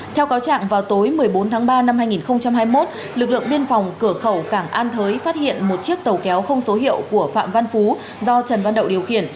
theo cáo trạng vào tối một mươi bốn tháng ba năm hai nghìn hai mươi một lực lượng biên phòng cửa khẩu cảng an thới phát hiện một chiếc tàu kéo không số hiệu của phạm văn phú do trần văn đậu điều khiển